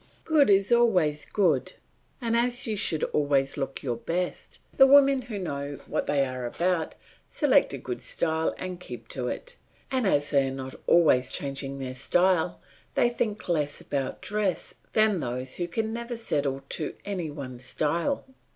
Good is always good, and as you should always look your best, the women who know what they are about select a good style and keep to it, and as they are not always changing their style they think less about dress than those who can never settle to any one style.